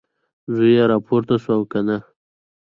زوی یې راپورته شوی او که نه؟